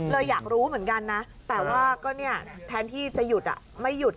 อยากรู้เหมือนกันนะแต่ว่าก็เนี่ยแทนที่จะหยุดไม่หยุด